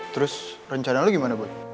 terus rencana lu gimana bu